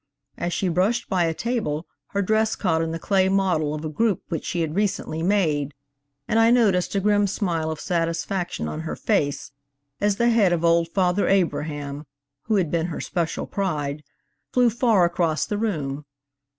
As she brushed by a table, her dress caught in the clay model of a group which she had recently made, and I noticed a grim smile of satisfaction on her face as the head of old Father Abraham (who had been her special pride) flew far across the room.